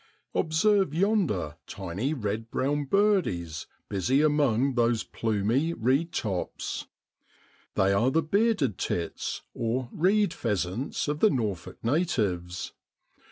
Observe yonder tiny red brown birdies busy among those plumy reed tops. They are the bearded tits, or ' reed pheasants ' of the Norfolk natives.